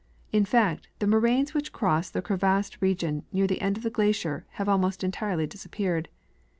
In fact, the moraines which cross the crevassed region near the end of the glacier have almost entirely disap peared.